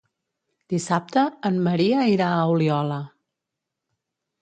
Dissabte en Maria irà a Oliola.